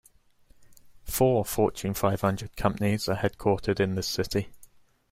Four Fortune Five Hundred companies are headquartered in this city.